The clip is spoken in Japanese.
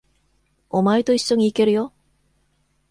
お前と一緒に行けるよ。